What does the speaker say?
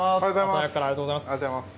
朝早くからありがとうございます。